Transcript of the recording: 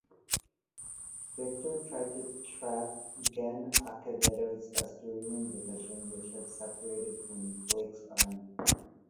Victor tried to trap Gen Acevedo's Asturian Division, which had separated from Blake's army.